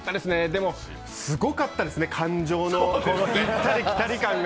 でも、すごかったですね、感情の行ったり来たり感が。